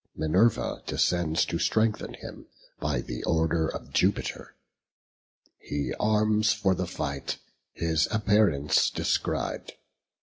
Minerva descends to strengthen him, by the order of Jupiter. He arms for the fight; his appearance described.